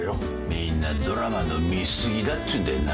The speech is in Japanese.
みんなドラマの見すぎだっていうんだよな。